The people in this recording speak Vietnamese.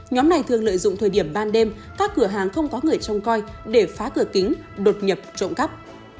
nhóm này thường lợi dụng thời điểm ban đêm các cửa hàng không có người trông coi để phá cửa kính đột nhập trộm cắp